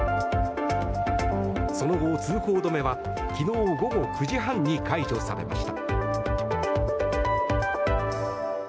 その後、通行止めは昨日午後９時半に解除されました。